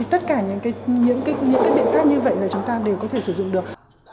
tất cả những biện pháp như vậy là chúng ta đều có thể sử dụng được